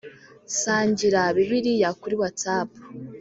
Sangira bibliya kuri Whatsapp